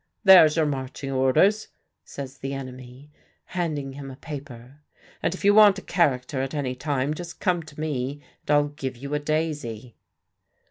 "There's your marching orders," says the enemy, handing him a paper; "and if you want a character at any time, just come to me, and I'll give you a daisy."